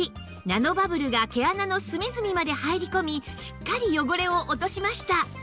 ナノバブルが毛穴の隅々まで入り込みしっかり汚れを落としました